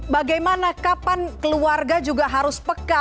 bagaimana kapan keluarga juga harus peka